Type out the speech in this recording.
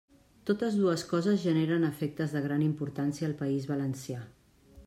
Totes dues coses generen efectes de gran importància al País Valencià.